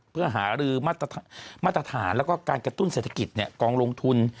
เพื่อหารือมาตรฐานแล้วก็การกระตุ้นเศรษฐกิจกองลงทุน